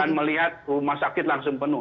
melihat rumah sakit langsung penuh